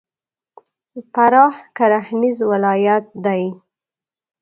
فراه کرهنیز ولایت دی.